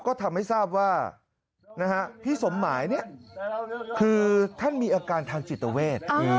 ก็ทำให้ทราบว่าพี่สมหมายคือท่านมีอาการทางจิตเวท